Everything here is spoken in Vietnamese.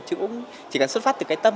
chứ cũng chỉ cần xuất phát từ cái tâm